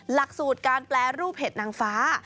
หลักสูตรการแปรรูปเห็ดนางฟ้า